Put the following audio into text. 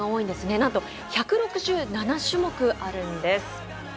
なんと１６７種目あるんです。